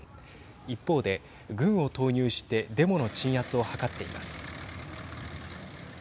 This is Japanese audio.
一方で、軍を投入してデモの鎮圧を図っています。